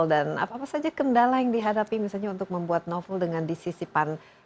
dan apa saja kendala yang dihadapi misalnya untuk membuat novel dengan disisi pantun